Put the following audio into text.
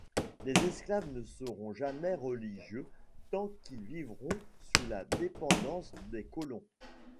Les esclaves ne seront jamais religieux tant qu’ils vivront sous la dépendance des colons.